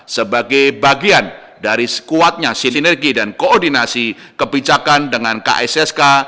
sebagai bagian dari sekuatnya sinergi dan koordinasi kebijakan dengan kssk